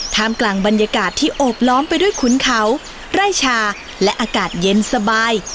กลางบรรยากาศที่โอบล้อมไปด้วยขุนเขาไร่ชาและอากาศเย็นสบาย